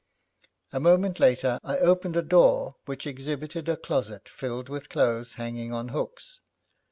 A moment later, I opened a door which exhibited a closet filled with clothes hanging on hooks.